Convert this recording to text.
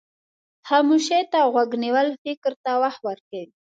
خاموشي ته غوږ نیول فکر ته وخت ورکوي.